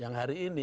yang hari ini